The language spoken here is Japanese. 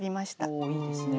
おおいいですね。